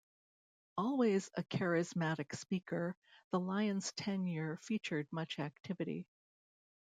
Always a charismatic speaker, the Lyons tenure featured much activity.